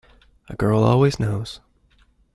A girl always knows.